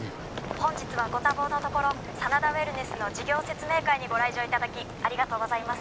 本日はご多忙のところ真田ウェルネスの事業説明会にご来場いただきありがとうございます